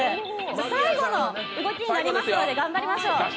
最後の動きになりますので、頑張りましょう。